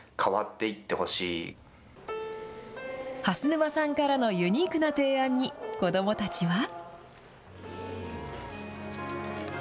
蓮沼さんからのユニークな提案に、子どもたちは。